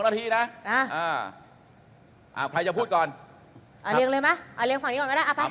เอาเรียงเลยมั้ยเอาเรียงฝั่งนี้ก่อนก็ได้เอาไหม